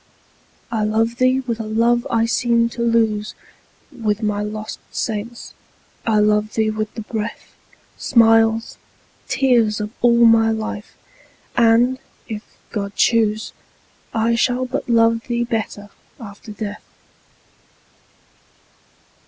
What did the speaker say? I love thee with a love I seemed to lose With my lost saints, I love thee with the breath, Smiles, tears, of all my life! and, if God choose, I shall but love thee better after death.